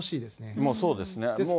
もうそうですね。